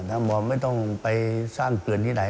ถ้ามอบนี้ไม่ต้องไปสร้างเกินที่ไหน